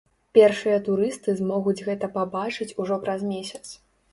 Першыя турысты змогуць гэта пабачыць ужо праз месяц.